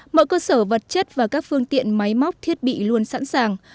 mọi cơ sở vật chất và các phương tiện máy móc thiết bị luôn sẵn sàng